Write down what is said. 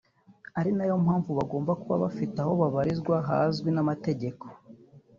ari nayo mpamvu bagomba kuba bafite aho babarizwa hazwi n’amategeko